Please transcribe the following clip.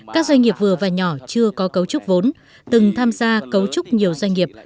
các doanh nghiệp vừa và nhỏ chưa có cấu trúc vốn từng tham gia cấu trúc nhiều doanh nghiệp